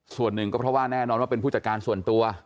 ส่วนหนึ่งก็เพราะว่าแน่นอนว่าเป็นผู้จัดการส่วนตัว